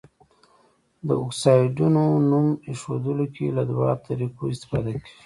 د اکسایډونو نوم ایښودلو کې له دوه طریقو استفاده کیږي.